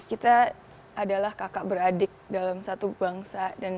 kita adalah kakak beradik dalam satu bangsa